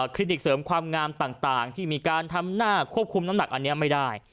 ลิกเสริมความงามต่างที่มีการทำหน้าควบคุมน้ำหนักอันนี้ไม่ได้